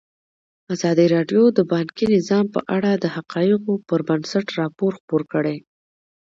ازادي راډیو د بانکي نظام په اړه د حقایقو پر بنسټ راپور خپور کړی.